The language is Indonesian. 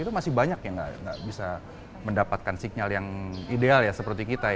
itu masih banyak yang gak bisa mendapatkan signal yang ideal seperti kita